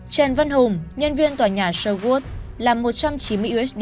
trần văn hùng nhân viên tòa nhà sherwood làm một trăm chín mươi usd